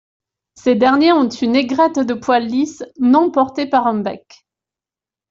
Ces derniers ont une aigrette de poils lisses non portée par un bec.